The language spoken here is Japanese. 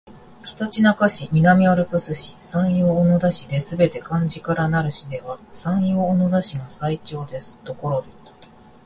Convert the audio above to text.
ひたちなか市、南アルプス市、山陽小野田市ですべて漢字からなる市では山陽小野田市が最長ですところで